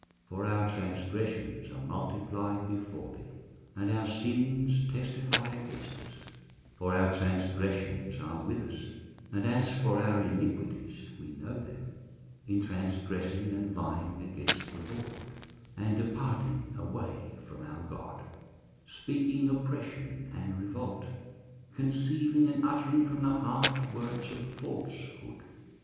23:059:012 For our transgressions are multiplied before thee, and our sins testify against us: for our transgressions are with us; and as for our iniquities, we know them; 23:059:013 In transgressing and lying against the LORD, and departing away from our God, speaking oppression and revolt, conceiving and uttering from the heart words of falsehood.